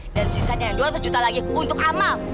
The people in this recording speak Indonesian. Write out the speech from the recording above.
dan sisanya yang dua ratus juta lagi untuk amal